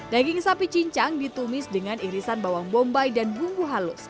daging sapi cincang ditumis dengan irisan bawang bombay dan bumbu halus